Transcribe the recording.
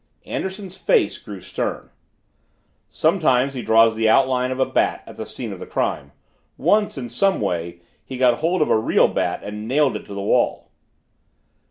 Anderson's face grew stern. "Sometimes he draws the outline of a bat at the scene of the crime. Once, in some way, he got hold of a real bat, and nailed it to the wall."